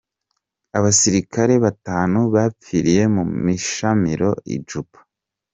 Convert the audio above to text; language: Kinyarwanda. Abasirikare batanu bapfiriye mu mishamirano i Juba.